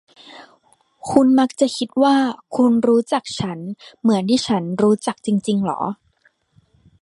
คุณมักจะคิดว่าคุณรู้จักฉันเหมือนที่ฉันรู้จักจริง ๆ เหรอ ?